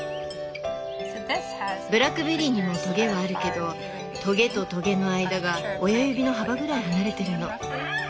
ブラックベリーにもとげはあるけどとげととげの間が親指の幅ぐらい離れてるの。